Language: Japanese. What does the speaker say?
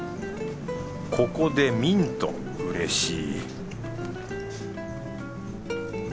ここでミントうれしい